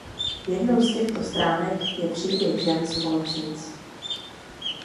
Jednou z těchto stránek je příběh žen společnic.